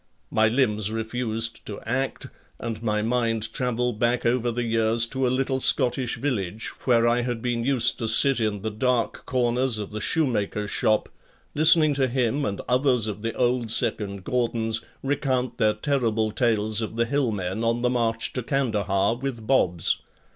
My limbs refused to act and my mind travelled back over the years to a little Scottish village where I had been used to sit in the dark corners of the shoemaker's shop, listening to him and others of the old 2nd Gordons recount their terrible tales of the hill men on the march to Kandahar with "Bobs."